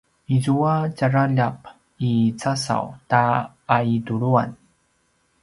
izua djaraljap i casaw ta aituluan